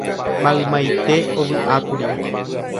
Maymaite ovyʼákuri.